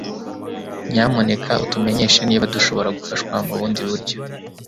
Nyamuneka utumenyeshe niba dushobora gufashwa mubundi buryo